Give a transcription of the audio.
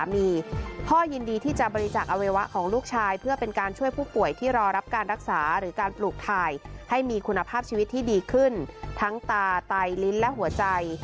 มีคุณภาพชีวิตที่ดีขึ้นทั้งตาไตลิ้นและหัวใจ